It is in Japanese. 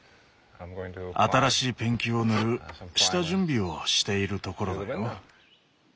新しいペンキを塗る下準備をしているところだよ。